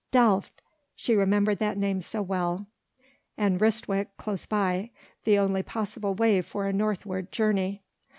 Delft! she remembered that name so well and Ryswyk close by, the only possible way for a northward journey!